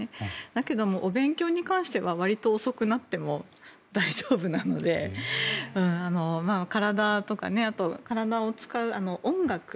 だけどお勉強に関しては割と遅くなっても大丈夫なので体とか体を使う音楽